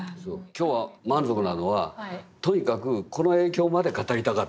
今日は満足なのはとにかくこの影響まで語りたかったんです。